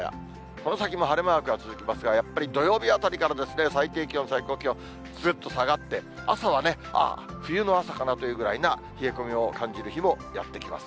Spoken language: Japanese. この先も晴れマークが続きますが、やっぱり土曜日あたりから最低気温、最高気温、ずっと下がって、朝は冬の朝かなというぐらいな冷え込みを感じる日もやって来ます。